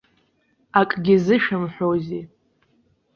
Акгьы зышәымҳәозеи?